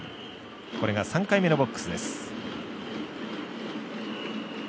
これが３回目のボックスです。